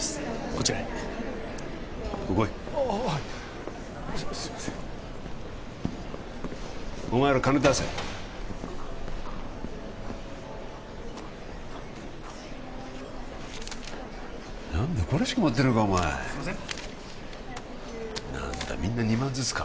こちらへ来いああはいすいませんお前ら金出せ何だこれしか持ってないのかお前・すいません何だみんな２万ずつか